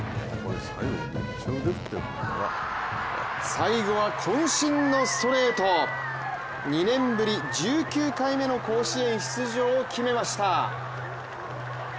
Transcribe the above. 最後は、こん身のストレート２年ぶり１９回目の甲子園出場を決めました。